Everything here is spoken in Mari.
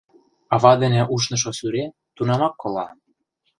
Ава дене ушнышо сӱре тунамак кола.